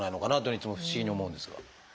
いつも不思議に思うんですが。